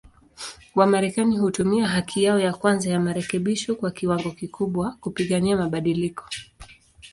Wamarekani hutumia haki yao ya kwanza ya marekebisho kwa kiwango kikubwa, kupigania mabadiliko.